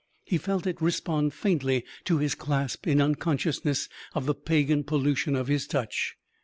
He felt it respond faintly to his clasp in unconsciousness of the pagan pollution of his touch.